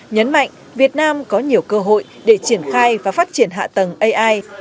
nhấn mạnh việt nam có nhiều cơ hội để triển khai và phát triển hạ tầng ai